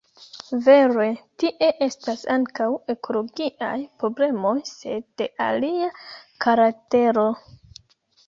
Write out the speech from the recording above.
Vere, tie estas ankaŭ ekologiaj problemoj, sed de alia karaktero.